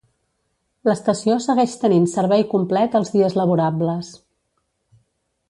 L'estació segueix tenint servei complet els dies laborables.